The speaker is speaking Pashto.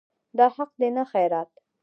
دا حق دی نه خیرات.